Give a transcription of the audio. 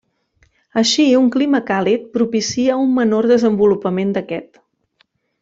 Així un clima càlid propicia un menor desenvolupament d'aquest.